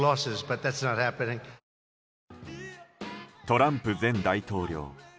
トランプ前大統領。